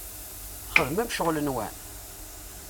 Txedmem ccɣel-nwen?